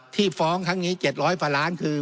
ที่ฟ้องครั้งนี้๗๐๐กว่าล้านคือ